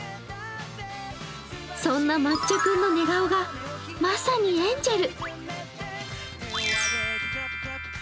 そんな抹茶君の寝顔がまさにエンジェル。